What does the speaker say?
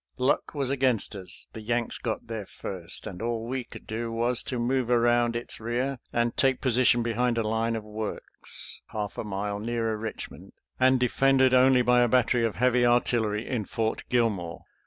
Luck was against us; the Yanks got there first, and all we could do was to move around its rear and take position behind a line of works HOT SKIRMISH— WOUNDED 261 half a mile nearer Eichmond, and, defended only by a battery of heavy artillery in Fort Gilmore.